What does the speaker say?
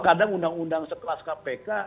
kadang undang undang sekelas kpk